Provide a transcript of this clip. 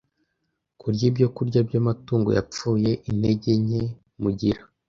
kurya ibyokurya by’amatungo yapfuye. Intege nke mugira